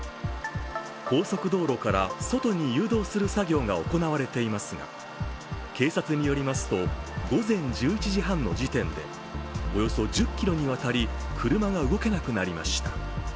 高速道路から外に誘導する作業が行われていますが、警察によりますと、午前１１時半の時点でおよそ１０ｋｍにわたり車が動けなくなりました。